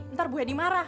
ntar bu hedy marah